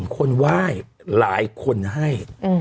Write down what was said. คนไหว้หลายคนให้